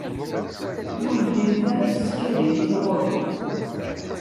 Ur llint ara tsekkadin-inu ɣer-i.